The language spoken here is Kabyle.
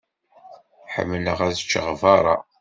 Ḥemmleɣ ad ččeɣ berra.